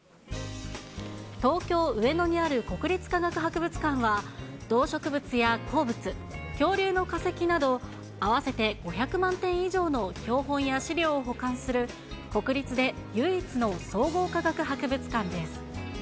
東京・上野にある国立科学博物館は、動植物や鉱物、恐竜の化石など、合わせて５００万点以上の標本や資料を保管する国立で唯一の総合科学博物館です。